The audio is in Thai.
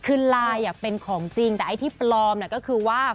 คือไลน์เป็นของจริงแต่ไอ้ที่ปลอมก็คือว่า